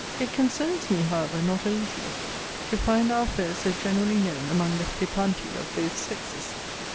It concerns me, however, not a little, to find our affair so generally known among the flippanti of both sexes.